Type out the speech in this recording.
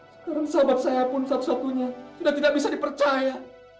sekarang sahabat saya pun satu satunya sudah tidak bisa dipercaya